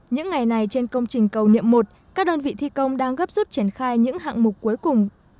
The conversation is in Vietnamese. những ngày này trên công trình cầu niệm một các đơn vị thi công đang gấp rút triển khai những hạng mục cuối cùng